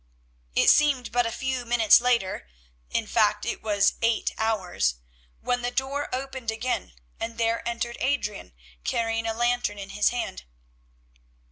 It seemed but a few minutes later—in fact it was eight hours—when the door opened again and there entered Adrian carrying a lantern in his hand.